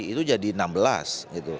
itu jadi enam belas